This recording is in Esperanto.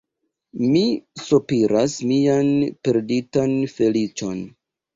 Mi sopiras mian perditan feliĉon.